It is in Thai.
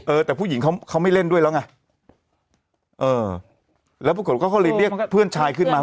เออแต่ผู้หญิงเขาเขาไม่เล่นด้วยแล้วไงเออแล้วปรากฏว่าเขาเลยเรียกเพื่อนชายขึ้นมา